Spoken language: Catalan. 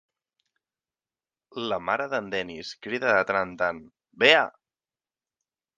La mare d'en Dennis crida de tant en tant: Bea!